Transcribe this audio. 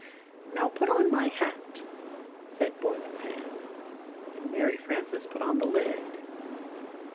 "Now, put on my hat," said Boiler Pan, and Mary Frances put on the lid.